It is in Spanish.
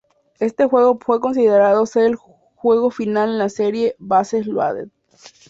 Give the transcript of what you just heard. Este juego fue considerado ser el juego final en la serie "Bases Loaded".